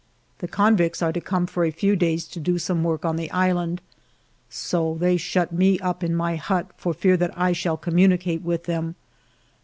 The convicts are to come for a few days to do some work on the island. So they shut me up in my hut for fear that I shall communicate with them.